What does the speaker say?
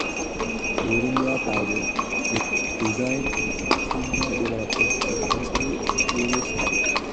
During their title reign, Sydal developed a cocky, heelish attitude.